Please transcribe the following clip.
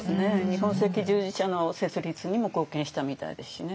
日本赤十字社の設立にも貢献したみたいですしね。